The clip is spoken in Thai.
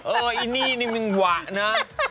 อีนี่นี่มึงหวะนะ